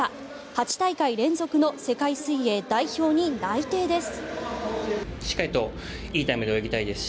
８大会連続の世界水泳代表に内定です。